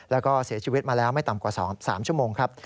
แล้วก็เสียชีวิตมาแล้วไม่ต่ำกว่า๒๓ชั่วโมงครับ